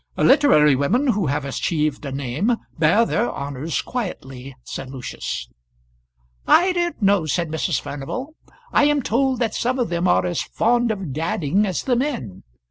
"Literary women who have achieved a name bear their honours quietly," said Lucius. "I don't know," said Mrs. Furnival. "I am told that some of them are as fond of gadding as the men.